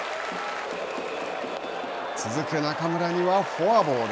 続く中村にはフォアボール。